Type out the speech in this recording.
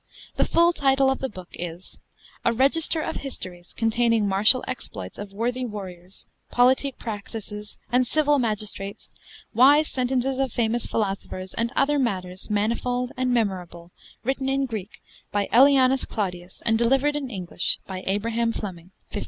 The full title of the book is 'A Registre of Hystories containing martiall Exploits of worthy Warriours, politique Practices and civil Magistrates, wise Sentences of famous Philosophers, and other Matters manifolde and memorable written in Greek by Aelianus Claudius and delivered in English by Abraham Fleming' (1576).